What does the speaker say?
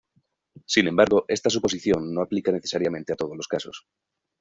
Sin embargo, esta suposición no aplica necesariamente a todos los casos.